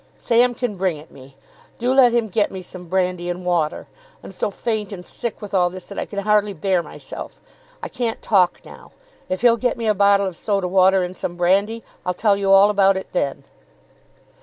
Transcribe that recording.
"Sam can bring it me. Do let him get me some brandy and water. I'm so faint and sick with all this that I can hardly bear myself. I can't talk now. If he'll get me a bottle of soda water and some brandy, I'll tell you all about it then."